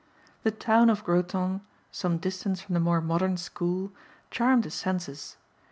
The town of Groton, some distance from the more modern school, charmed his senses.